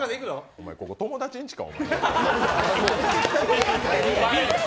お前、ここ、友達んちか！